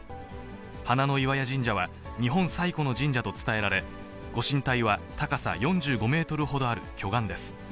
花の窟神社は、日本最古の神社と伝えられ、ご神体は高さ４５メートルほどある巨岩です。